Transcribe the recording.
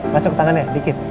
masuk tangannya dikit